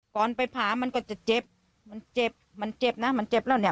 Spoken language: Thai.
ก่อนไปผ่ามันก็จะเจ็บมันเจ็บมันเจ็บนะมันเจ็บแล้วเนี่ย